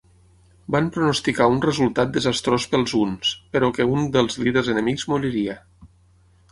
Van pronosticar un resultat desastrós pels huns, però que un dels líders enemics moriria.